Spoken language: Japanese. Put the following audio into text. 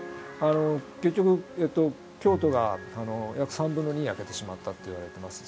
結局京都が約３分の２焼けてしまったっていわれてます。